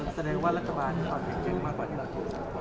อเรศว่ารักษาบาลออกแบบมากกว่าที่เราอยู่